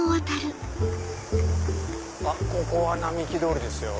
あっここは並木通りですよ。